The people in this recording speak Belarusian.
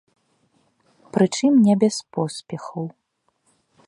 Прычым не без поспехаў.